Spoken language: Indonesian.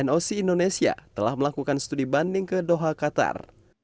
noc indonesia telah melakukan studi banding ke doha qatar